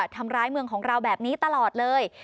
ทำร้ายเมืองของเราแบบนี้ตลอดเลย